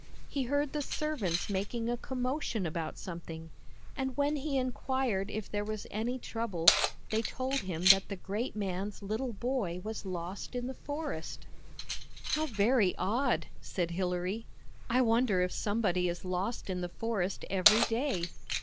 He heard the servants making a commotion about something, and when he inquired if there was any trouble, they told him that the great man's little boy was lost in the forest. 116 THE BAG OF SMILES " How very odd," said Hilary. " I wonder if somebody is lost in the forest every day."